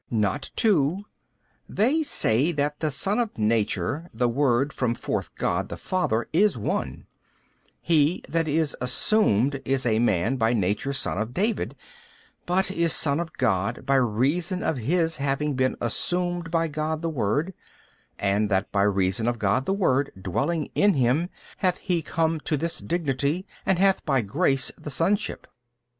B. Not two: they say that the Son by Nature, the Word from forth God the Father is One; he that is assumed is |267 a man by nature son of David 23, but is son of God by reason of his having been assumed by God the Word, and that by reason of God the Word dwelling in him hath ho come to this dignity and hath by grace the sonship.